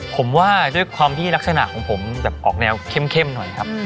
ผมว่าด้วยความที่ลักษณะของผมแบบออกแนวเข้มหน่อยครับ